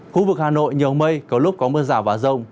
khu vực hà nội nhiều mây có lúc có mưa rào và rông